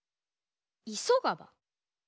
いそがば？